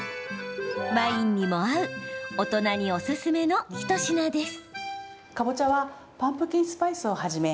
ワインにも合う大人におすすめの一品です。